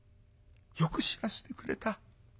よく知らしてくれた。